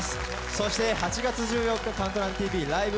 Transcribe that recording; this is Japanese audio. そして８月１４日「ＣＤＴＶライブ！